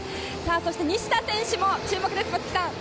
そして、西田選手も注目です松木さん。